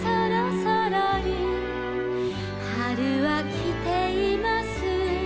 「はるはきています」